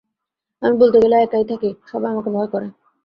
আমি বলতে গেলে একা থাকি সবাই আমাকে ভয় করে।